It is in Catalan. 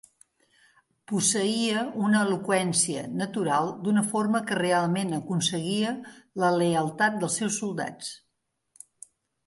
"Posseïa una eloqüència natural d'una forma que realment aconseguia la lleialtat del seus soldats."